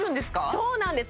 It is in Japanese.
そうなんです